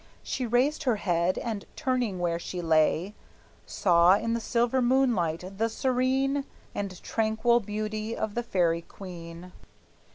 She raised her head and, turning where she lay, Saw in the silver moonlight the serene And tranquil beauty of the fairy queen!